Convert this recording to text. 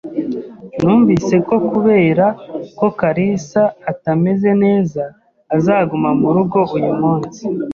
Numvise ko kubera ko kalisa atameze neza azaguma murugo uyu munsi.